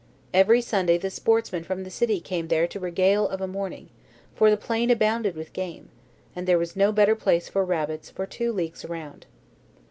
Every Sunday the sportsmen from the city came there to regale of a morning, for the plain abounded with game, and there was no better place for rabbits for two leagues around.